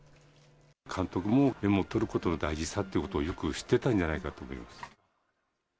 監督もメモを取ることの大事さということをよく知ってたんじゃないかと思います。